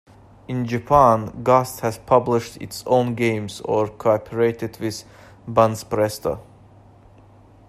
In Japan, Gust has published its own games or cooperated with Banpresto.